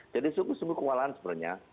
jadi sungguh sungguh kewalahan sebenarnya